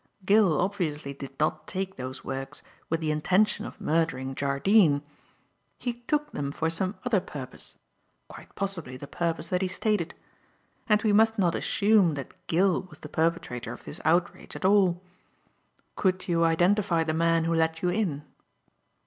Gill obviously did not take those works with the intention of murdering Jardine. He took them for some other purpose; quite possibly the purpose that he stated. And we must not assume that Gill was the perpetrator of this outrage at all. Could you identify the man who let you in?"